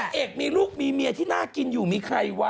เอกมีลูกมีเมียที่น่ากินอยู่มีใครวะ